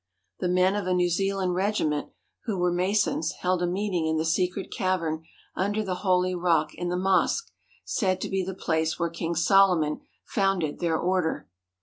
The men of a New Zealand regiment who were Masons held a meeting in the secret cavern under the Holy Rock in the Mosque said to be the place where King Solomon founded their order.